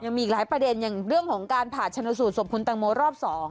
ยังมีอีกหลายประเด็นอย่างเรื่องของการผ่าชนสูตรศพคุณตังโมรอบ๒